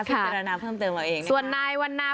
วิจารณาเพิ่มเติมเราเองเนี่ยนะคะ